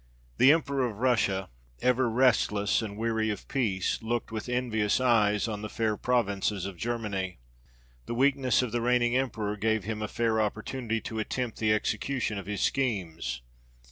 The Emperor of Russia, ever restless and weary of peace, looked with envious eyes on the fair provinces of Germany. The weakness of the reigning Emperor gave him a fair opportunity to attempt the execution of his schemes.